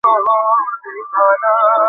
তুমি স্বাক্ষর করেছ?